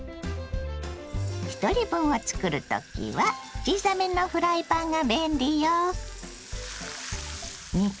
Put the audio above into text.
ひとり分を作る時は小さめのフライパンが便利よ。